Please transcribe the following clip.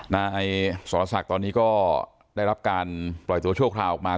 นายสรศักดิ์ตอนนี้ก็ได้รับการปล่อยตัวชั่วคราวออกมา